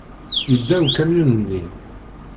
Yedda ukamyun-nni.